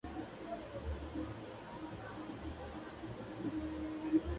Junto con los trabajos llegaron inmigrantes españoles y libaneses, y unos pocos argentinos.